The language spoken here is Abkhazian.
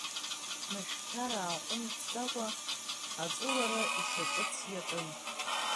Мышәқьар ааҟәымҵӡакәа, аҵәуара ишаҿыҵ иаҿын.